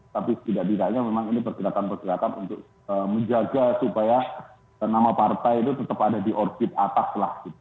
tapi setidak tidaknya memang ini pergerakan pergerakan untuk menjaga supaya nama partai itu tetap ada di orbit atas lah